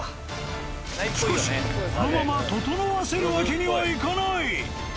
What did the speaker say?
しかし、このままととのわせるわけにはいかない。